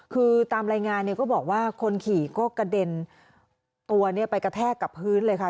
คือตามรายงานเนี่ยก็บอกว่าคนขี่ก็กระเด็นตัวไปกระแทกกับพื้นเลยค่ะ